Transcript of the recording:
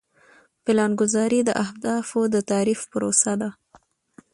پلانګذاري د اهدافو د تعریف پروسه ده.